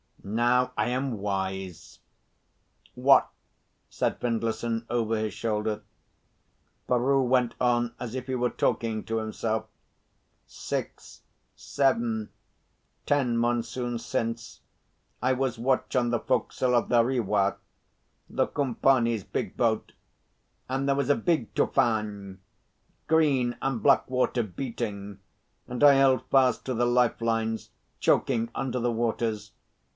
Now I am wise." "What?" said Findlayson, over his shoulder. Peroo went on as if he were talking to himself "Six seven ten monsoons since, I was watch on the fo'c'sle of the Rewah the Kumpani's big boat and there was a big tufan; green and black water beating, and I held fast to the life lines, choking under the waters.